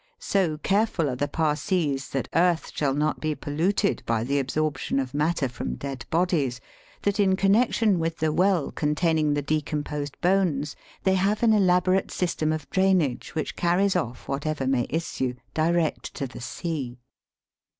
So careful are the Parsees that earth shall not be polluted by the absorption of matter from dead bodies that in connection with the well containing the decomposed bones they have an elaborate system of drainage which carrier off whatever may issue direct to the sea.